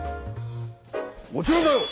もちろんだよ！